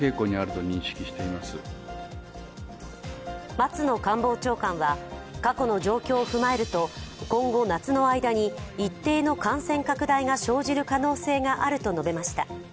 松野官房長官は、過去の状況を踏まえると今後夏の間に一定の感染拡大が生じる可能性があると述べました。